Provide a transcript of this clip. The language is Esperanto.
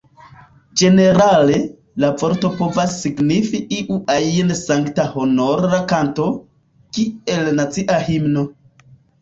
Ĝenerale, la vorto povas signifi iu ajn sankta honora kanto, kiel nacia himno.